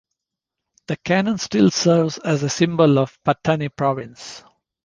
The cannon still serves as the symbol of Pattani Province.